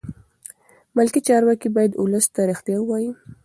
ملکي چارواکي باید ولس ته رښتیا ووایي.